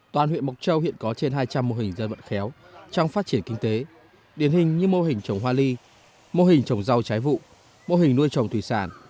toàn huyện mộc châu hiện có trên hai trăm linh mô hình dân vận khéo trong phát triển kinh tế điển hình như mô hình trồng hoa ly mô hình trồng rau trái vụ mô hình nuôi trồng thủy sản